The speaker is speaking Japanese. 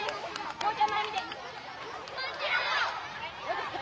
こうちゃん前見て！